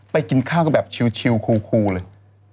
ไปกินข้าก็แบบชิลคูลเลย